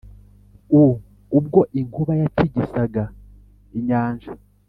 u ubwo inkuba yatigisaga inyanja.